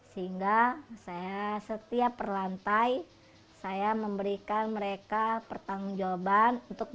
sehingga saya setiap perlantai setiap rumah singga saya beri tugas kepada mereka untuk bertanggung jawab pada masing masing